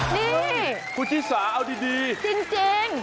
นี่คุณชิสาเอาดีจริง